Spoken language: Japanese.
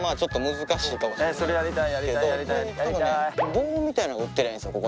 棒みたいなのが売ってりゃいいんですよ